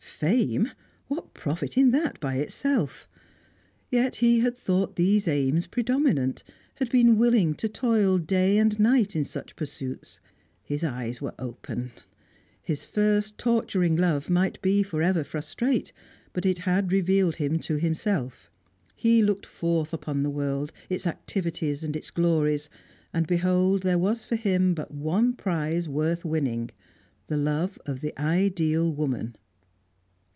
Fame! What profit in that by itself? Yet he had thought these aims predominant; had been willing to toil day and night in such pursuits. His eyes were opened. His first torturing love might be for ever frustrate, but it had revealed him to himself. He looked forth upon the world, its activities, its glories, and behold there was for him but one prize worth winning, the love of the ideal woman.